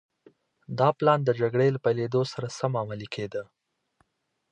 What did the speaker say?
دا پلان د جګړې له پيلېدو سره سم عملي کېده.